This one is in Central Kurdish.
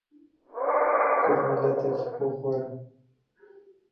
کورد میللەتێکی خۆخۆرە